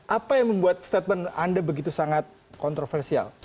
apa yang membuat statement anda begitu sangat kontroversial